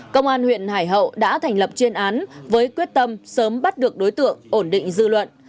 công an huyện hải hậu đã thành lập chuyên án với quyết tâm sớm bắt được đối tượng ổn định dư luận